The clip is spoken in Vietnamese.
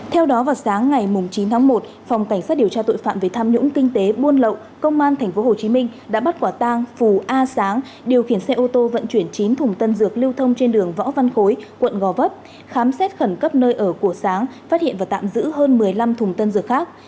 hồ chí minh đã bắt quả tang phù a sáng điều khiển xe ô tô vận chuyển chín thùng tân dược lưu thông trên đường võ văn khối quận gò vấp khám xét khẩn cấp nơi ở của sáng phát hiện và tạm giữ hơn một mươi năm thùng tân dược khác